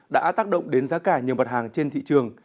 đã tác động đến giá cả nhiều mặt hàng trên thị trường